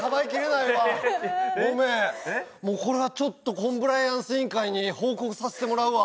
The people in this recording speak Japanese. もうこれはちょっとコンプライアンス委員会に報告させてもらうわ。